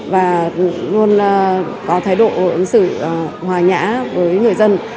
và luôn có thái độ ứng xử hòa nhã với người dân